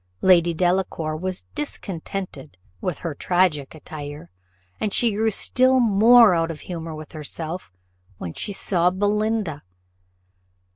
Lady Delacour was discontented with her tragic attire, and she grew still more out of humour with herself, when she saw Belinda.